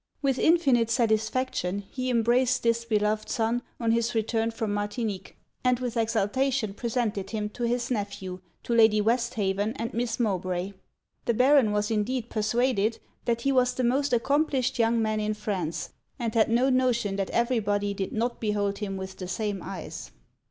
With infinite satisfaction he embraced this beloved son on his return from Martinique, and with exultation presented him to his nephew, to Lady Westhaven, and Miss Mowbray. The Baron was indeed persuaded that he was the most accomplished young man in France, and had no notion that every body did not behold him with the same eyes.